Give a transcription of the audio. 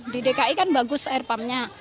di dki kan bagus air pumpnya